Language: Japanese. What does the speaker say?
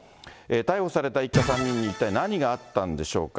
逮捕された一家３人に一体何があったんでしょうか。